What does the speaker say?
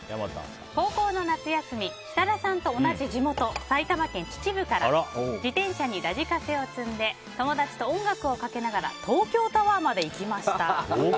高校の夏休み設楽さんと同じ地元埼玉県秩父から自転車にラジカセを積んで友達と音楽をかけながら東京タワーまで行きました。